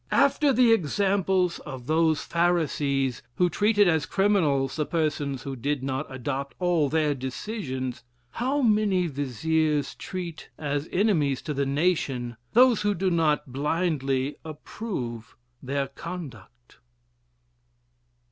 After the example of those Pharisees, who treated as criminals the persons who did not adopt all their decisions, how many viziers treat, as enemies to the nation, those who do not blindly approve their conduct!"